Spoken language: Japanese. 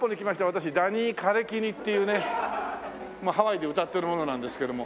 私ダニー・カレイキニっていうねハワイで歌ってる者なんですけども。